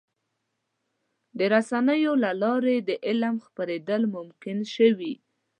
د رسنیو له لارې د علم خپرېدل ممکن شوي.